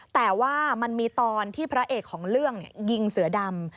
แต่ว่ามันมีตอนที่พระเอกของเรื่องยิงเสือดำ